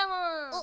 あ。